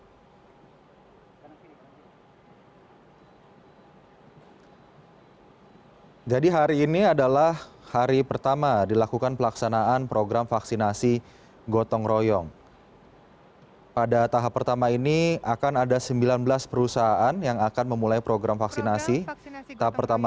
untuk vaksinasi gratis dan penyuntikan tidak dilakukan di fasilitas kesehatan milik pemerintah termasuk untuk vaksinatornya